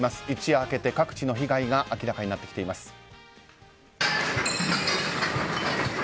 一夜明けて各地の被害が明らかになってきています。